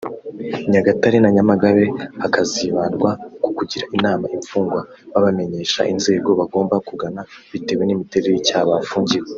Nyagatare na Nyamagabe hakazibandwa ku kugira inama imfungwa babamenyesha inzego bagomba kugana bitewe n’imiterere y’icyaha bafungiwe